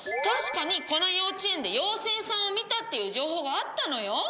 確かにこの幼稚園で妖精さんを見たっていう情報があったのよ。